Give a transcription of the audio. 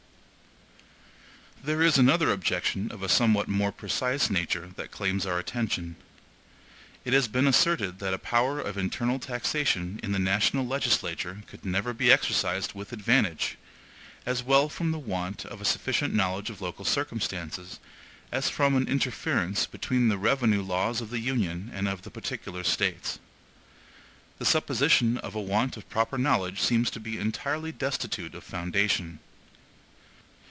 There is another objection of a somewhat more precise nature that claims our attention. It has been asserted that a power of internal taxation in the national legislature could never be exercised with advantage, as well from the want of a sufficient knowledge of local circumstances, as from an interference between the revenue laws of the Union and of the particular States. The supposition of a want of proper knowledge seems to be entirely destitute of foundation.